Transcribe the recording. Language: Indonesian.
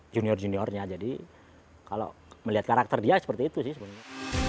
junior juniornya jadi kalau melihat karakter dia seperti itu sih sebenarnya